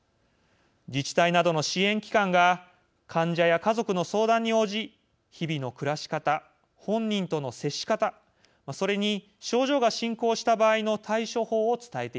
自治体などの支援機関が患者や家族の相談に応じ日々の暮らし方本人との接し方それに症状が進行した場合の対処法を伝えていく。